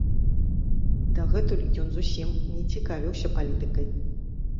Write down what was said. Дагэтуль ён зусім не цікавіўся палітыкай.